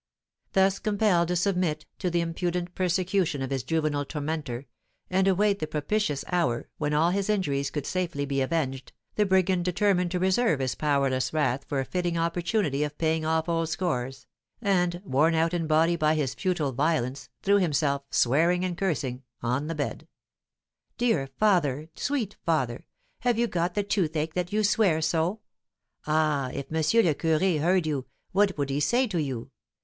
Thus compelled to submit to the impudent persecution of his juvenile tormentor, and await the propitious hour when all his injuries could safely be avenged, the brigand determined to reserve his powerless wrath for a fitting opportunity of paying off old scores, and, worn out in body by his futile violence, threw himself, swearing and cursing, on the bed. "Dear father! sweet father! have you got the toothache that you swear so? Ah, if Monsieur le Curé heard you, what would he say to you?